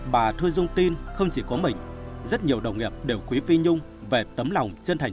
bà thuy dung tin không chỉ có mình rất nhiều đồng nghiệp đều quý phi nhung về tấm lòng chân thành